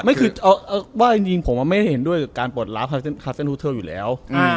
ไม่คือว่าจริงผมไม่เห็นด้วยการปลดราบคัลเซ็นท์ฮูเทิลอยู่แล้ว